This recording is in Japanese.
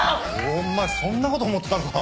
お前そんなこと思ってたのか。